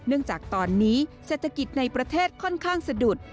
จากตอนนี้เศรษฐกิจในประเทศค่อนข้างสะดุด